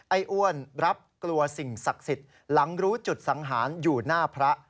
อ้วนรับกลัวสิ่งศักดิ์สิทธิ์หลังรู้จุดสังหารอยู่หน้าพระ